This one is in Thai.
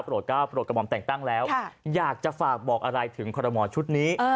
โปรดกระหม่อมแต่งตั้งแล้วอยากจะฝากบอกอะไรถึงคอรมอลชุดนี้